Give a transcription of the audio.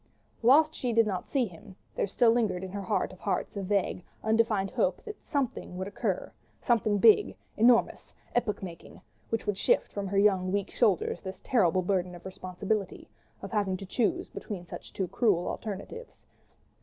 Whilst she did not see him, there still lingered in her heart of hearts a vague, undefined hope that "something" would occur, something big, enormous, epoch making, which would shift from her young, weak shoulders this terrible burden of responsibility, of having to choose between two such cruel alternatives.